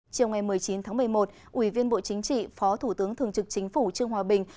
chiều ngày một mươi chín tháng một mươi một ủy viên bộ chính trị phó thủ tướng thường trực chính phủ trương hòa bình